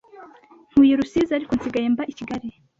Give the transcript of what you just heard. ntuye i Rusizi ariko nsigaye mba i Kigali